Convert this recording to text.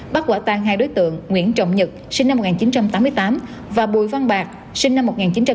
bắt quả tan hai đối tượng nguyễn trọng nhật sinh năm một nghìn chín trăm tám mươi tám và bùi văn bạc sinh năm một nghìn chín trăm tám mươi